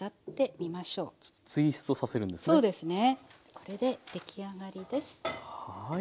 これで出来上がりです。